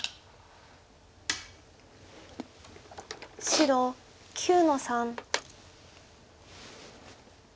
白９の三。